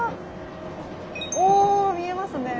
お見えますね。